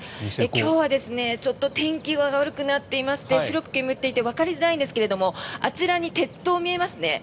今日はちょっと天気が悪くなっていまして白く煙っていてわかりづらいんですけれどあちらに鉄塔、見えますね。